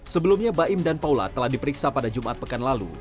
sebelumnya baim dan paula telah diperiksa pada jumat pekan lalu